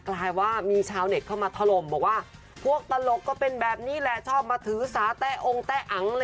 เป็นตลกกลายมีแบบเข้ามาธรมว่าพวกตลกก็เป็นแบบนี้แหละชอบมาทื้อสาแต้อมแต้อัง